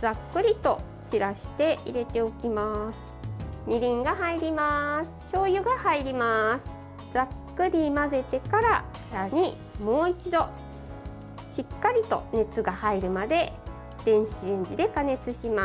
ざっくり混ぜてからさらに、もう一度しっかりと熱が入るまで電子レンジで加熱します。